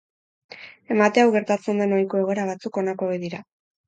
Emate hau gertatzen den ohiko egoera batzuk honako hauek dira.